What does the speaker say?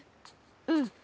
うん。